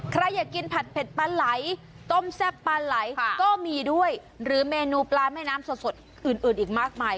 ใครอยากกินผัดเผ็ดปลาไหลต้มแซ่บปลาไหลก็มีด้วยหรือเมนูปลาแม่น้ำสดอื่นอีกมากมาย